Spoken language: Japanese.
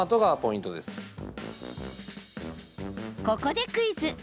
ここでクイズ。